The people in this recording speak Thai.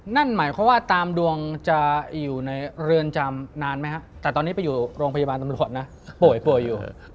นั่นหมายความว่าตามดวงจะอยู่ในเรือนจำนานไหมครับแต่ตอนนี้ไปอยู่โรงพยาบาลตำรวจนะป่วยป่วยอยู่